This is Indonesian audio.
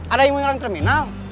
ada yang mau nyerang terminal